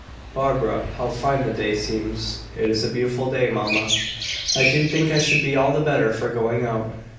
"Barbara, how fine the day seems!" "It is a beautiful day mamma." "I do think I should be all the better for going out."